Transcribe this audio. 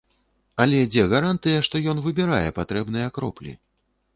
Але дзе гарантыя, што ён выбірае патрэбныя кроплі?